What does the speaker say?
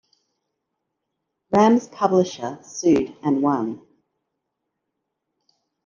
Ram's publisher sued and won.